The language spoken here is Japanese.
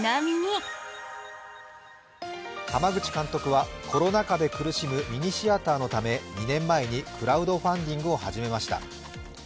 濱口監督は、コロナ禍で苦しみミニシアターのため２年前にクラウドファンディングを始めました。